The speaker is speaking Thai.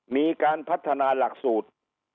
มีการพัฒนาหลักสูตร